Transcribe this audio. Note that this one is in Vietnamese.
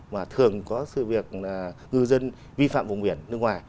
mà thường có sự việc ngư dân vi phạm vùng biển nước ngoài